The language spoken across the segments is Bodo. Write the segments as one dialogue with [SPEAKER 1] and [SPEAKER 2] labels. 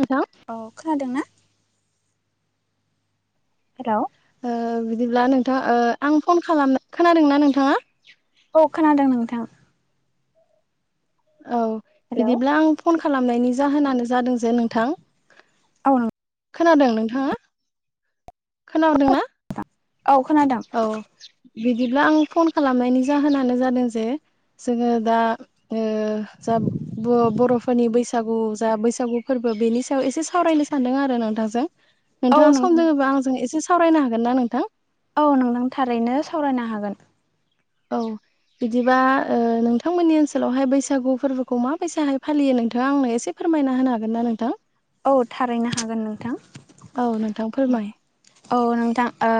[SPEAKER 1] नोंथां
[SPEAKER 2] औ खोनादों ना? हेल'।
[SPEAKER 1] ओ बिदिब्ला नोंथाङा ओ आं फन खालाम खोनादोंना नोंथाङा?
[SPEAKER 2] अ खोनादों नोंथां।
[SPEAKER 1] औ
[SPEAKER 2] हेलौ
[SPEAKER 1] बिदिब्ला आं फन खालामनायनि जाहोनानो जादों जे नोंथां
[SPEAKER 2] औ नों
[SPEAKER 1] खोनादों नोंथाङा खोनादों ना?
[SPEAKER 2] औ खोनादों।
[SPEAKER 1] बिदिब्ला आं फन खालामनायनि जाहोनानो जादों जे जोङो दा ओ बर'फोरनि बैसागु जा बैसागु फोरबो बेनि सायाव एसे सावरायनो सानदों आरो नोंथांजों।
[SPEAKER 2] औ
[SPEAKER 1] नोंथाङा सम
[SPEAKER 2] नोंथां
[SPEAKER 1] दोङोबा आंजों एसे सावरायनो हागोन ना नोंथां?
[SPEAKER 2] औ नोंथां थारैनो सावरायनो हागोन।
[SPEAKER 1] औ बिदिबा ओ नोंथांमोननि ओनसोलावहाय बैसागु फोरबोखौ माबैसाहाय फालियो नो नोंथाङा आंनो एसे फोरमायना होनो हागोन ना नोंथां?
[SPEAKER 2] औ थारैनो हागोन नोंथां।
[SPEAKER 1] औ नोंथां फोरमाय
[SPEAKER 2] औ नोंथां ओ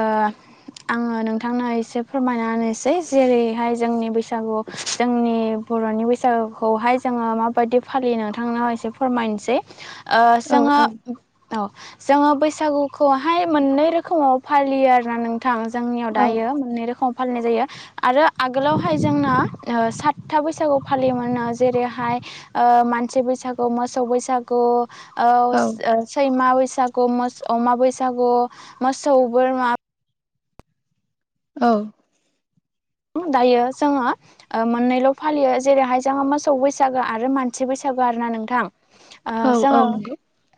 [SPEAKER 2] आङो नोंथांनो एसे फोरमायनासै जेरैहाय जोंनि बैसागु जोंनि बर'नि बैसागुखौहाय जोङो माबायदि फालियो नोंथांनाव एसे फोरमायनोसै। ओ
[SPEAKER 1] औ
[SPEAKER 2] जोङो
[SPEAKER 1] औ
[SPEAKER 2] औ। जोङो बैसागुखौहाय मोननै रोखोमाव फालियो आरोना नों थां जोंनियाव
[SPEAKER 1] औ
[SPEAKER 2] दायो मोननै रोखोम फालिनाय जायो आरो आगोलावहाय जोंना ओ सातथा बैसागु फालियोमोनो, जेरैहाय ओ मानसि बैसागु, मोसौ बैसागु,
[SPEAKER 1] औ
[SPEAKER 2] ओ सैमा बैसा गु, बैसागु मो अमा बैसागु, मोसौ बोरमा
[SPEAKER 1] औ।
[SPEAKER 2] दायो जोङो ओ मोननैल' फालियो जेरैहाय जोङो मोसौ बैसागो आरो मानसि बैसागो। आरोना नोंथां
[SPEAKER 1] औ औ
[SPEAKER 2] जोङो
[SPEAKER 1] नंगौ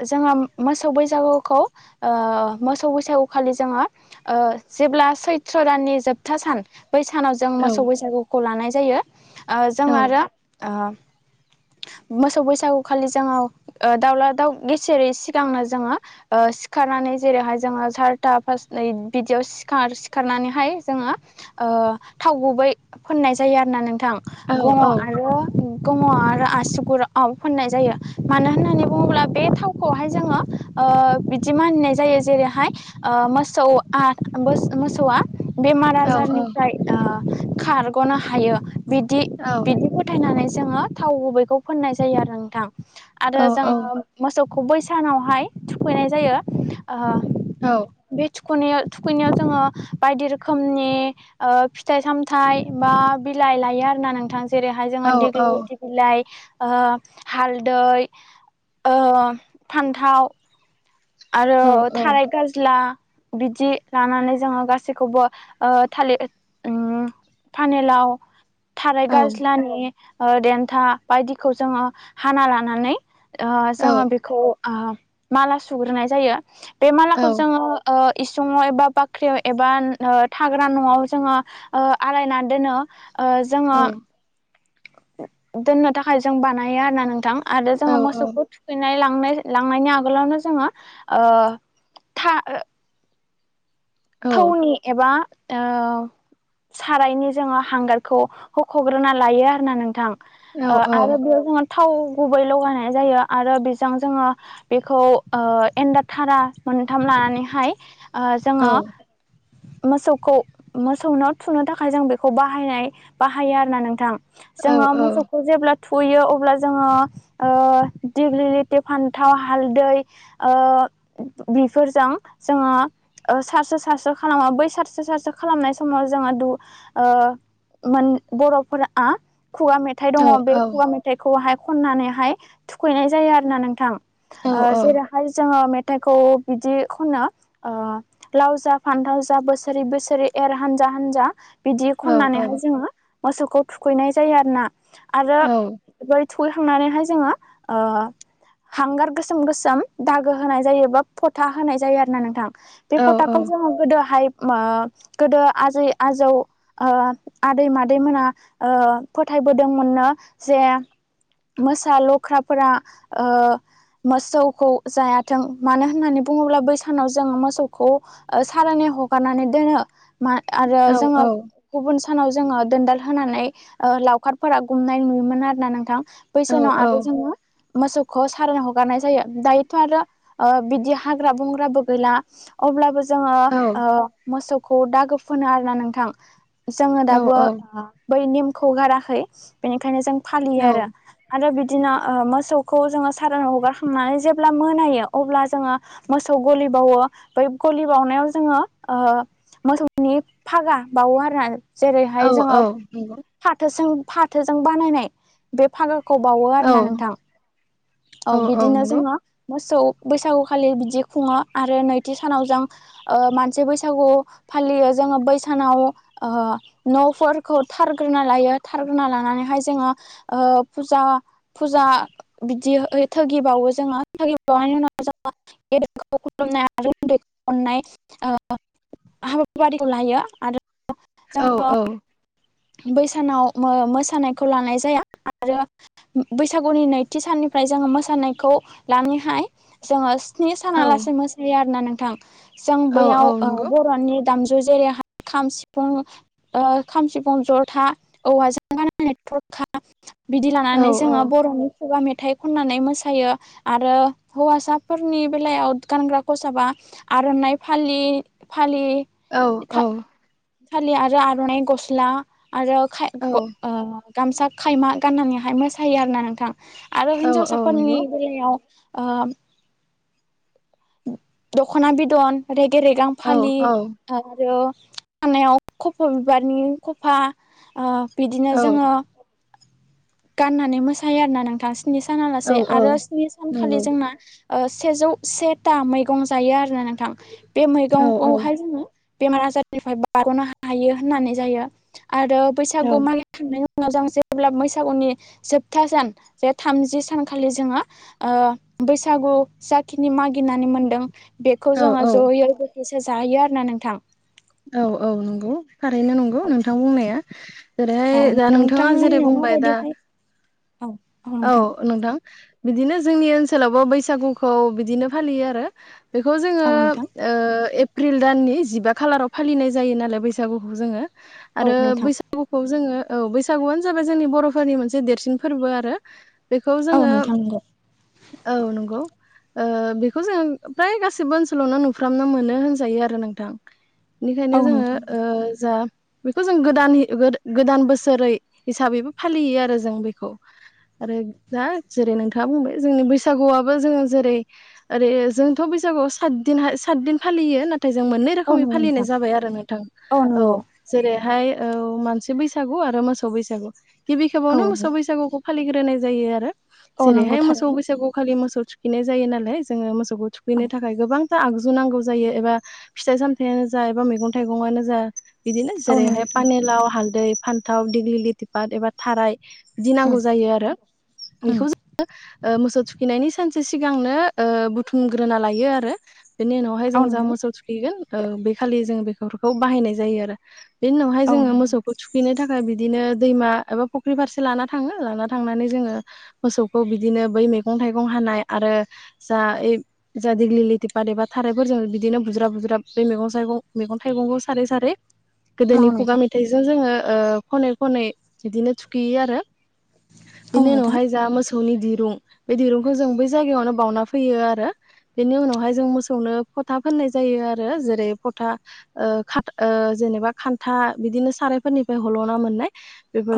[SPEAKER 2] जोङो मोसौ बैसागुखौ ओ मोसौ बैसागु खालि जोङो ओ जेब्ला सै थ्र दाननि जोबथा सान बै सानाव जों
[SPEAKER 1] औ
[SPEAKER 2] मोसौ बैसागुखौ लानाय जायो। ओ जों
[SPEAKER 1] औ
[SPEAKER 2] आरो
[SPEAKER 1] [unintelligible]
[SPEAKER 2] मोसौ बैसागु खालि जोङो ओ दाउला दाउ गेसेेरै सिगांनो जोङो ओ सिखार सिखारनानै जेरैहाय जोङो सारथा फास बिदियावखार सिखारनानैहाय जोङो ओ थाव गुबै फोननाय जायो आरो ना नोंथां
[SPEAKER 1] औ
[SPEAKER 2] गङाव आरो गोम आरो आसुगुरआव फोननाय जायो मानो होननानै बुङोब्ला बे थावखौहाय जोङो ओ बिदि मानिनाय जायो जेरैहाय ओ मोसौआ मो-मोसौआ बेमार
[SPEAKER 1] औ
[SPEAKER 2] आजारनिफ्राय ओ खारग'नो हायो बिदि
[SPEAKER 1] औ
[SPEAKER 2] बिदि फोथायनानै जोङो थाव गुबैखौ फोननाय जायो आरो नोंथां आरो
[SPEAKER 1] औ
[SPEAKER 2] जोङो मोसौ खौ बै सानावहाय थुखैनाय जायो ओ
[SPEAKER 1] औ
[SPEAKER 2] बे थुखै खुनेया थुखैनायाव जोङो बायदि रोखोमनि ओ फिथाइ सामथाइ बा बिलाइ लायो आरोना नोंथां। जेरैहाय जोङो
[SPEAKER 1] औ
[SPEAKER 2] डिगलिगुति बिलाइ ओ हालदै ओ फान्थाव आरो थाराय गाज्ला बिदि लानानै जोङो गासैखौबो ओ थालिर ओम फानेलाव थाराय गाज्लानि ओ देन्था बायदिखौ जोङो हाना लानानै ओ जोङो बेखौ ओ माला सुग्रोनाय जायो बे मालाखौ जोङो ओ इसङाव एबा बाख्रियाव एबा ओ थाग्रा न'आव जोङो ओ आलायना दोनो। ओ जोङो दोननो थाखाय जों बानायो आरोना नोंथां। आरो जोङो मोसौखौ थुखैनाय लांनाय लांनायनि आगोलावनो जोङो ओ था थौनि एबा ओ सारायनि जोङो हांगारखौ हुख'ग्रोना लायो आरोना नोंथां। ओ आरो बेयाव जोङो थाव गुबै लगायनाय जायो आरो बेजों जोङो बेखौ ओ एन्दा थारा मोन्थाम लानानैहाय ओ जोङो
[SPEAKER 1] [inaudible]
[SPEAKER 2] मोसौखौ मोसौनो थुनो थाखाय जों बेखौ बाहायनाय बाहायो आरोना नोंथां। जोङो मोसौखौ जेब्ला थुखैयो अब्ला जोङो ओ दिग्लि लिथि फान्थाव हालदै ओ बिफोरजों जोङो ओ सारस्रो सारसो खालामो बै सारसो सारसो खालामनाय समाव जोङो दु ओ मोन बर'फोरआ खुगा मेथाइ दङ बे खुगा मेथाइखौहाय खननानैहाय थुखैनाय जायो आरोना नोंथां। ओ जेरैहाय जोङो मेथाइखौ बिदि खनो ओ लाउ जा फान्थाव जा बोसोरै बोसोरै एर हान्जा हान्जा बिदि खननानैहाय जोङो मोसौखौ थुखैनाय जायो आरोना आरो थुखैखांनानैहाय जोङो ओ हांगार गोसोम गोसोम दागो होनाय जायो बा फथा होनाय जायो आरोना नोंथां। बे
[SPEAKER 1] औ
[SPEAKER 2] फथाखौ
[SPEAKER 1] औ।
[SPEAKER 2] जोङो गोदोहाय ओ गोदो आजै आजौ ओ आदै मादैमोना ओ ओ फोथायबोदोंमोननो जे मोसा लख्राफोरा ओ मोसौखौ जायाथों मानो होननानै बुङोब्ला बै सानाव जों मोसौखौ सारोनै हगारनानै दोनो मा आरो जोङो गुबुन सानाव जोङो दोन्दाल होनानै ओ लावखारफोरा गुमनाय नुयोमोन आरोना नोंथां। बै सानाव
[SPEAKER 1] औ
[SPEAKER 2] आरो जोङो मोसौखौ सारोन हगारनाय जायो दायोथ' आरो ओ बिदि हाग्रा बंग्राबो गैला अब्लाबो जोङो
[SPEAKER 1] औ औ
[SPEAKER 2] ओ मोसौखौ दागो फोनो आरोना नोंथां। जोङो
[SPEAKER 1] औ
[SPEAKER 2] दाबो
[SPEAKER 1] औ
[SPEAKER 2] बै नेमखौ गाराखै बेनिखायनो जों फालियो आरो
[SPEAKER 1] औ
[SPEAKER 2] आरो बिदिनो ओ मोसौखौ जोङो सारोन हगारखांनानै जेबो जेब्ला मोनायो अब्ला जोङो मोसौ गलि बाउओ बै गलि बाउनायाव जोङो ओ मोसौनि फागा बाउओ आरोना।
[SPEAKER 1] औ
[SPEAKER 2] जेरैहाय जोङो
[SPEAKER 1] औ नंगौ
[SPEAKER 2] फाथोसों फाथोजों बानायनाय बे फागाखौ बाउवो
[SPEAKER 1] औ
[SPEAKER 2] आरो ना नोंथां। औ बिदिनो जोङो मोसौ बैसागु खालि बिदि खुङो आरो नैथि सानाव जों ओ मानसि बैसागु फालियो जोङो बै सानाव ओ न'फोरखौ थारग्रोना लायो थारग्रोना लानानै हाय जोङो ओ फुजा फुजा बिदि ओ थोगिबाउओ जोङो थोगिबाउनायनि उनाव जोङो गेदेरखौ खुलुमनाय आरो उन्दैखौ अन्नाय ओ हाबाफारिखौ लायो आरो
[SPEAKER 1] औ औ
[SPEAKER 2] बैसानाव मो-मोसानायखौ लानाय जाया आरो बैसागुनि नैथि साननि फ्राय जोङो मोसानायखौ लानानैहाय जोङो स्नि
[SPEAKER 1] औ
[SPEAKER 2] सानालासे मोसायो आरोना नोंथां जों
[SPEAKER 1] औ
[SPEAKER 2] बैयाव
[SPEAKER 1] औ
[SPEAKER 2] ओ
[SPEAKER 1] नंगौ
[SPEAKER 2] बर'नि दामजु जेरैहाय खाम सिफुं ओ खाम सि फुं, ज'था, औवाजों बानायनाय थरखा बिदि
[SPEAKER 1] औ
[SPEAKER 2] लानानै जोङो
[SPEAKER 1] औ
[SPEAKER 2] बर'नि खुगा मेथाइ खन्नानै मोसायो आरो हौवासाफोरनि बेलायाव गानग्रा खसाबा आर'नाइ फालि फालि
[SPEAKER 1] औ औ
[SPEAKER 2] फालि आरो आर'नाइ गस्ला आरो खाय
[SPEAKER 1] औ
[SPEAKER 2] ग ओ गामसा खायमा गान्नानैहाय मोसायो आरो ना नोंथां। आरो
[SPEAKER 1] औ औ
[SPEAKER 2] हिनजावसाफोरनि
[SPEAKER 1] नंगौ
[SPEAKER 2] बेलायाव ओ उ दखना बिदन रेगे रेगां
[SPEAKER 1] औ
[SPEAKER 2] फालि
[SPEAKER 1] औ
[SPEAKER 2] आरो खानायाव खफ' बिबारनि खफा ओ बिदिनो जोङो गाननानै मोसायो आरोना नोंथां। स्नि साना
[SPEAKER 1] औ
[SPEAKER 2] लासे आरो
[SPEAKER 1] औ
[SPEAKER 2] स्नि
[SPEAKER 1] नंगौ
[SPEAKER 2] सानखालि जोंना ओ सेजौ सेथा मैगं जायो आरो नोंथां बे
[SPEAKER 1] औ औ औ
[SPEAKER 2] मैगंखौहाय जोङो बेमार आजारनिफ्राय बारग'नो हायो होननानै जायो। आरो बैसागु मागि खांनायनि उनाव जों जेब्ला बैसागुनि जोबथा सान जे थामजि सानखालि जोङो ओ बैसागु जाखिनि माग गिनानै मोनदों बेखौ
[SPEAKER 1] औ औ
[SPEAKER 2] जोङो ज'यै बोथिसे जाहैयो आरो ना नोंथां।
[SPEAKER 1] औ औ नंगौ थारैनो नंगौ नोंथां बुंनाया। जेरैहाय
[SPEAKER 2] औ
[SPEAKER 1] दा नोंथाङा जेरै
[SPEAKER 2] नोंथांमोननियाव
[SPEAKER 1] बुंबाय दा
[SPEAKER 2] माबायदिहाय
[SPEAKER 1] औ नोंथां बिदिनो जोंनि ओनसोलावबो बैसागुखौ बिदिनो फालियो आरो बेखौ जोङो
[SPEAKER 2] औ नोंथां
[SPEAKER 1] ओ एप्रिल दाननि जिबा खालाराव फालिनाय जायो नालाय बैसागुखौ जोङो
[SPEAKER 2] औ
[SPEAKER 1] आरो
[SPEAKER 2] नोंथां
[SPEAKER 1] बैसागुखौ जोङो औ बैसागुआनो जाबाय जोंनि बर'फोरनि मोनसे देरसिन फोरबो आरो। बेखौ
[SPEAKER 2] औ
[SPEAKER 1] जोङो
[SPEAKER 2] नोंथां नंगौ
[SPEAKER 1] औ नंगौ। ओ बेखौ जों फ्राय गासिबो ओनसोलावनो नुफ्रामनो मोनो होनजायो आरो नोंथां। इनिखायनो
[SPEAKER 2] औ
[SPEAKER 1] जोङो
[SPEAKER 2] नोंथां
[SPEAKER 1] ओ जा बेखौ जों गोदाननि गो-गोदान बोसोरै हिसाबैबो फालियो आरो जों बेखौ। आरो दा जेरै नोंथाङा बुंबाय जोंनि बैसागुआबो जोङो जेरै ओरै जोंथ' बै सागुआव सातदिनहाय सातदिन फालियो ना थाय जों मोननै
[SPEAKER 2] औ
[SPEAKER 1] रोखोमै
[SPEAKER 2] नंगौ
[SPEAKER 1] फालिनाय
[SPEAKER 2] नोंथां
[SPEAKER 1] जाबाय आरो नोंथां औ जेरै हाय औ मानसि बैसागु आरो मोसौ बैसागु। गिबि
[SPEAKER 2] औ
[SPEAKER 1] खेबावनो मोसौ
[SPEAKER 2] नंगौ
[SPEAKER 1] बैसागुखौ फालिग्रो नाय जायो आरो
[SPEAKER 2] औ नंगौ
[SPEAKER 1] जेरैहाय मोसौ
[SPEAKER 2] थारैनो
[SPEAKER 1] बैसागु खालि मोसौ थुखिनाय जायो नालाय जोङो मोसौ खौ
[SPEAKER 2] औ
[SPEAKER 1] थुखैनो थाखाय गोबांथा आगजु नांगौ जायो एबा फिथाय सामथायानो जा एबा मेगं थाइगंआनो जा बिदिनो
[SPEAKER 2] औ
[SPEAKER 1] जेरैहाय
[SPEAKER 2] नंगौ नोंथां
[SPEAKER 1] पानेलाव, हालदै फान्थाव, दिग्लिलिथि पाट एबा थाराय बिदि
[SPEAKER 2] उम
[SPEAKER 1] नांगौ जायो आरो
[SPEAKER 2] उम
[SPEAKER 1] बिखौ जोंङो ओ मोसौ थुखैनायनि सानसे सिगांनो ओ बुथुमग्रोना लायो आरो। बेनि उनावहाय
[SPEAKER 2] औ
[SPEAKER 1] जों जा
[SPEAKER 2] नंगौ
[SPEAKER 1] मोसौ थुखैगोन ओ बैखालि जों बेफोरखौ बाहायनाय जायो आरो। बेनि उनावहाय
[SPEAKER 2] औ
[SPEAKER 1] जोङो
[SPEAKER 2] नंगौ
[SPEAKER 1] मोसौखौ थुखैनो थाखाय बिदिनो दैमा एबा फुख्रि फारसे लाना थाङो लाना थांनानै जोङो मोसौखौ बिदिनो बै मैगं थाइगं हानाय आरो जा ओइब जा दिग्लि लिथिपाट एबा थारायफोरजोंनो बिदिनो बुज- ज्राब बुज्राब बै मैगं साइगं मैगं थाइगंखौ सारै सारै
[SPEAKER 2] औ
[SPEAKER 1] गोदोनि खुगा
[SPEAKER 2] नोंथां
[SPEAKER 1] मेथाइजों जोङो ओ खनै खनै बिदिनो थुखैयो आरो
[SPEAKER 2] औ
[SPEAKER 1] बिनि
[SPEAKER 2] नोंथां
[SPEAKER 1] उनावहाय जा मोस सौनि दिरुं बे दिरुंखौ जों बै जायगायावनो बावना फैयो आरो बेनि उनावहाय जों मोसौनो फथा फोननाय जायो आरो जेरै फथा ओ खा ओ जेनेबा खान्था बिदिनो सारायफोरनिफ्राय हल'ना मोननाय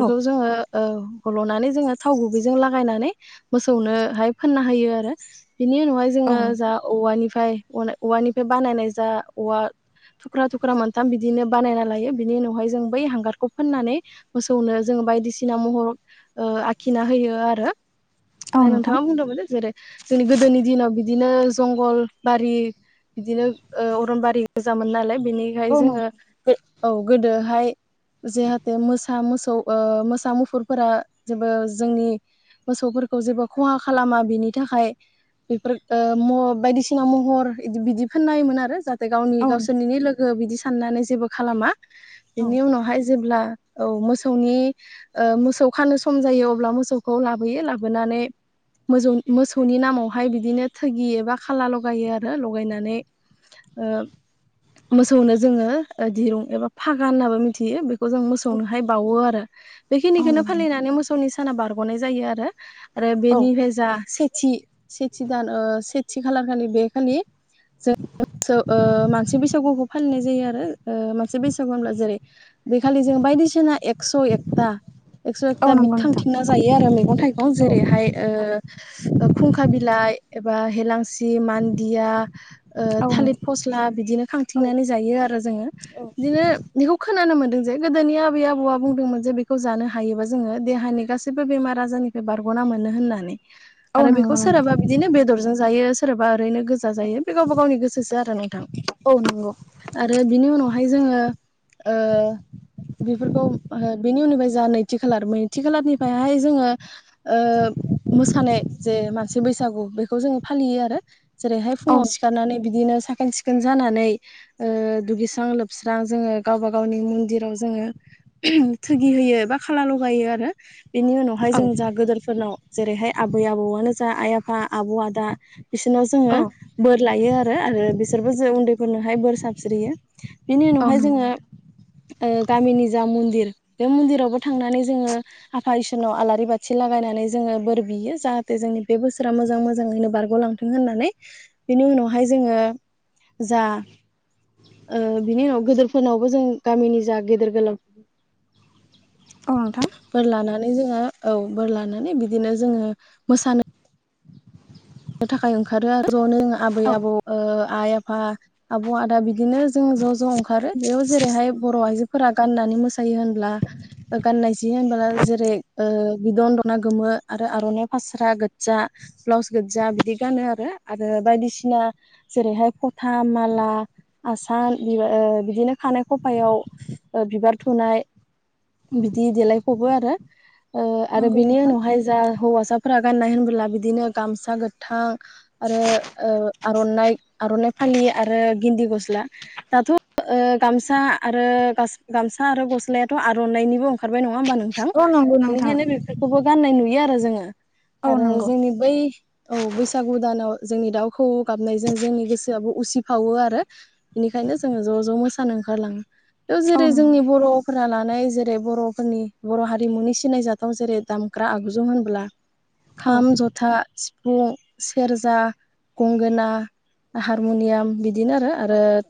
[SPEAKER 2] औ
[SPEAKER 1] जोङो औ हल'नानै जोङो थाव गुबैजों लागायनानै मोसौनोहाय फोनना होयो आरो। बिनि उनावहाय
[SPEAKER 2] औ
[SPEAKER 1] जोङो
[SPEAKER 2] नोंथां
[SPEAKER 1] जा औवानिफ्राय अनाय औवानिफ्राय बानायनाय जा औवा थुख्रा थुख्रा मोनथाम बिदिनो बानायना लायो बिनि उनावहाय जों बै हांगारखौ फोननानै मोसौनो जोङो बायदिसिना महर ओ आखिना होयो आरो ओ नोंथाङा बुंदोंमोन दे जेरै जोंनि गोदोनि दिनाव बि- दिनो जंगलबारि बिदिनो ओ अरनबारि गोजामोन नालाय बिनिखाय
[SPEAKER 2] औ
[SPEAKER 1] जोङो
[SPEAKER 2] नोंथां
[SPEAKER 1] बे औ गोदोहाय जेहाथे मोसा मोसौ ओ मोसा मुफुरफोरा जेबो जोंनि मोसौफोर खौ जेबो खहा खालामा बिनि थाखाय बेफोर ओ म बायदिसिना महर इदि बिदि खोनायोमोन आरो जा गावनि
[SPEAKER 2] औ नंगौ औ नोंथां
[SPEAKER 1] गावसोरनिनो लोगो बिदि साननानै जेबो खालामा
[SPEAKER 2] औ
[SPEAKER 1] बिनि उनावहाय जेब्ला औ मोसौनि ओ मोसौ खानो सम जायो अब्ला मोसौखौ लाबोयो लाबोनानै मोसौ मोसौनि नामावहाय बिदिनो थोगि एबा खाला लगायो आरो लगायनानै ओ मोसौनो जोङो ओ दिरुं एबा फागा होनाबो मिथियो बे खौ जों मोसौनोहाय बावो आरो।
[SPEAKER 2] औ
[SPEAKER 1] बेखिनिखौनो फालिनानै मोसौनि साना बारगनाय जायो आरो। आरो बेनिफ्राय जा सेथि सेथि दान ओ सेथि खालार खालि बे खालि जों ओ मानसि बैसागुखौ फालिनाय जायो आरो ओ मानसि बैसागु होनब्ला जेरै बेखालि जों बायदिसिना एक्स' एकथा एक्स एकथा
[SPEAKER 2] नंगौ
[SPEAKER 1] बिखां
[SPEAKER 2] नोंथां
[SPEAKER 1] थिंना जायो आरो मैगं थाइगं
[SPEAKER 2] औ
[SPEAKER 1] जेरैहाय ओ ओ खुंखा बिलाइ एबा हेलांसि मान्दिया ओ थालिथ फस्ला बिदिनो खांथिंनानै जायो आरो जोङो बिदिनो बेखौ खोनानो मोनदों जे गोदोनि आबै आबौआ बुंदोंमोन जे बेखौ जानो हायोबा जोङो देहानि गासैबो बेमार आजारनि बारगना मोनो होननानै आरो बेखौ
[SPEAKER 2] नंगौ नोंथां
[SPEAKER 1] सोरहाबा बिदिनो बेदरजों जायो सोरबा ओरैनो गोजा जायो
[SPEAKER 2] औ
[SPEAKER 1] बे गावबा गावनि गोसोसो आरो नोंथां।
[SPEAKER 2] औ नंगौ
[SPEAKER 1] आरो बिनि उनावहाय जोङो ओ बेफोरखौ ओ बेनि उननिफ्राय जोंहा नैथि खालार नैथि खालारनिफ्रायहाय जोङो ओ मोसानाय जे मानसि बैसागु बेखौ जोङो फालियो आरो। जेरैहाय
[SPEAKER 2] औ
[SPEAKER 1] फुंङाव सिखारनानै बिदिनो साखोन सिखोन जानानै ओ दुगैस्रां लोबस्रां जोङो गावबा गावनि मन्दिराव जोङो थोगि होयो बा खाला लगायो आरो बिनि उनावहाय जों जा गोदोरफोरनाव जेरैहाय आबै आबौआनो जा आइ आफा आब आदा बिसोरनाव जोङो बोर लायो आरो आरो बिसोरबो जों उन्दैफोरनोहाय बोर सारस्रियो। बेनि
[SPEAKER 2] औ नंगौ नोंथां औ नंगौ औ
[SPEAKER 1] उनावहाय
[SPEAKER 2] नंगौ
[SPEAKER 1] जोङो ओ गामिनि जा मन्दिर बे मन्दिरावबो थांनानै जोङो आफा इसोरनाव आलारि बा थि लागायनानै जोङो बोर बियो जाहाथे जोंनि बे बोसोरा मोजां मोजाङैनो बारगलांथों होननानै। बेनि उनावहाय जोङो जा ओ बिनि उनाव गिदिरफोरनावबो जों गामिनि जा गेदेर गोलाव
[SPEAKER 2] औ नोंथां।
[SPEAKER 1] बोर लानानै जोङो औ बोर लानानै बिदिनो जोङो मोसानो थाखाय ओंखारो जनो आबै
[SPEAKER 2] औ
[SPEAKER 1] आबौ ओ आइ आफा आबौ आदा बिदिनो जों ज ज ओंखारो बेयाव जेरैहाय बर आइजोफोरा गाननानै मोसायो होनब्ला गाननाय जि होनबा जेरै ओ बिदन दना गोमो आरो आरनाइ फास्रा गोजजा ब्लाउस गोजजा बिदि गानो आरो आरो बायदिसिना जेरैहाय खथा माला आसान बिबार ओ बिदिनो खानाय खफायाव बिबार थुनाय बिदि देलायफबो आरो ओ आरो
[SPEAKER 2] नंगौ
[SPEAKER 1] बिनि
[SPEAKER 2] नोंथां
[SPEAKER 1] उनावहाय जा हौवासाफोरा गाननाय होनबोला बिदिनो गामसा गोथां आरो ओ आरनाइ आरनाइ फालि आरो गिन्दि गस दाथ ओ गामसा आरो गामसा आरो गस्लायाथ आरनाइनिबो ओंखारबाय नङा होमबा नोंथां
[SPEAKER 2] औ नंगौ नोंथां
[SPEAKER 1] बेनिखायनो बेफोरखौबो गान्नाय नुयो आरो जोङो
[SPEAKER 2] औ
[SPEAKER 1] आरो
[SPEAKER 2] नंगौ
[SPEAKER 1] जोंनि बै औ बैसागु दानाव जोंनि दाउ खौऔ गाबनायजों जोंनि गोसोआबो उसिफावो आरो बेनिखायनो जोङो ज ज मोसानो ओंखारलाङो बेयाव
[SPEAKER 2] औ
[SPEAKER 1] जेरै
[SPEAKER 2] नंगौ
[SPEAKER 1] जोंनि बर फोर लानाय जेरै बरफोरनि बर हारिमुनि सिनायजाथाव जेरै दामग्रा आगुजु होनब्ला
[SPEAKER 2] औ
[SPEAKER 1] खाम जथा सिफुं सेरजा गंगोना हारमुनियाम बिदि बिदिनो आरो
[SPEAKER 2] औ
[SPEAKER 1] आरो